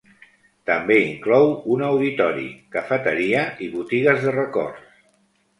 També inclou un auditori, cafeteria i botigues de records.